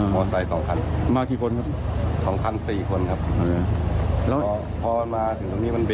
พอผมเห็นเหตุการณ์วัยรุ่นวิ่งคุมทีกันมาครับ